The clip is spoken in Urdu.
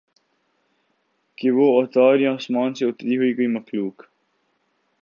کہ وہ اوتار یا آسمان سے اتری ہوئی کوئی مخلوق